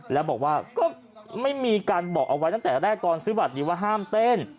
แล้วบอกว่าก็ไม่มีการบอกเอาไว้ตั้งแต่แรกตอนซื้อบัตรนี้ว่าห้ามเต้น